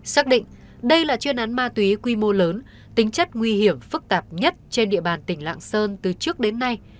xác định đây là chuyên án ma túy quy mô lớn tính chất nguy hiểm phức tạp nhất trên địa bàn tỉnh lạng sơn từ trước đến nay